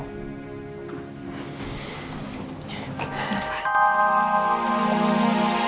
yang akan jumlah dari tujuh pagi